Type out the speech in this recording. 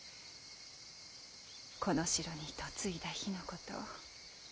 この城に嫁いだ日のこと。